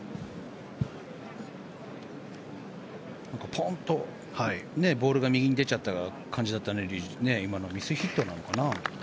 ポンとボールが右に出ちゃった感じだったので竜二、今のミスヒットなのかな。